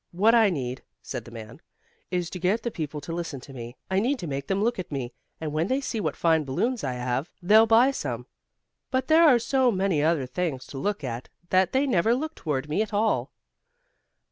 What I need," said the man, "is to get the people to listen to me I need to make them look at me, and when they see what fine balloons I have they'll buy some. But there are so many other things to look at that they never look toward me at all."